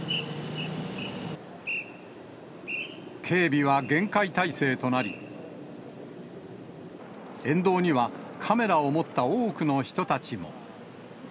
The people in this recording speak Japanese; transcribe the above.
警備は厳戒態勢となり、沿道にはカメラを持った多くの人たちも。